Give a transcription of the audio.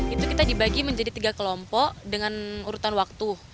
itu kita dibagi menjadi tiga kelompok dengan urutan waktu